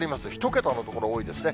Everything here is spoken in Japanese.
１桁の所多いですね。